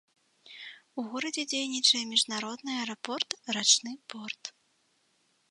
У горадзе дзейнічае міжнародны аэрапорт, рачны порт.